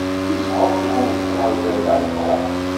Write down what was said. Yesɛa usgunfu azal d ameqqṛan.